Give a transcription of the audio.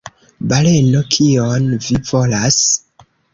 Baleno: "Kion vi volas?"